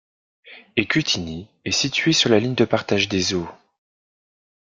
Écutigny est situé sur la ligne de partage des eaux.